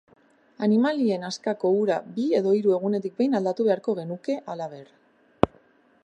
Animalien askako ura bi edo hiru egunetik behin aldatu beharko genuke, halaber.